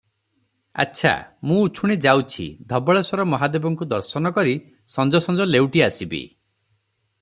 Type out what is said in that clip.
ଆଚ୍ଛା, ମୁଁ ଉଛୁଣି ଯାଉଛି, ଧବଳେଶ୍ଵର ମହାଦେବଙ୍କୁ ଦର୍ଶନ କରି ସଞ୍ଜ ସଞ୍ଜ ଲେଉଟି ଆସିବି ।